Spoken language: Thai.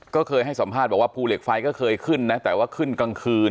ก็เคยให้สัมภาษณ์บอกว่าภูเหล็กไฟก็เคยขึ้นนะแต่ว่าขึ้นกลางคืน